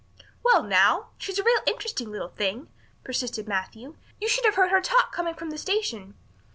"Well now, she's a real interesting little thing," persisted Matthew. "You should have heard her talk coming from the station."